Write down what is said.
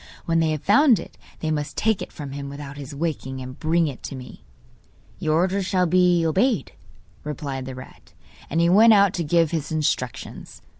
When they have found it they must take it from him without his waking, and bring it to me.' 'Your orders shall be obeyed,' replied the rat. And he went out to give his instructions.